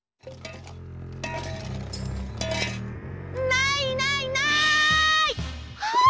ないないない！